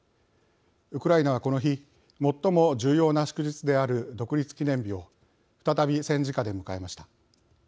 ウクライナはこの日最も重要な祝日である独立記念日を再び戦時下で迎えました。